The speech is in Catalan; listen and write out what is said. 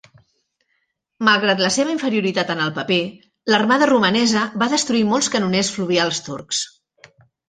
Malgrat la seva inferioritat en el paper, l'Armada romanesa va destruir molts canoners fluvials turcs.